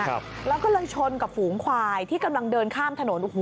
แล้วก็เลยชนกับฝูงควายที่กำลังเดินข้ามถนน